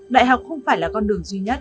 đại học không phải là con đường duy nhất